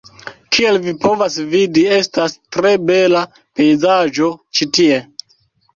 Kiel vi povas vidi, estas tre bela pejzaĝo ĉi tie.